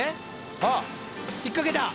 あっ引っ掛けた！